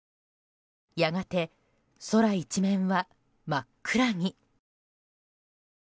やがて、空一面は真っ暗に。